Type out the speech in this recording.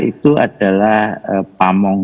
itu adalah pamung